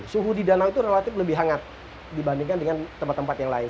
suhu di danau itu relatif lebih hangat dibandingkan dengan tempat tempat yang lain